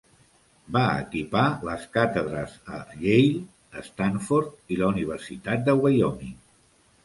Va equipar les càtedres a Yale, Stanford, i la Universitat de Wyoming.